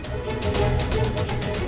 hujan deras berangin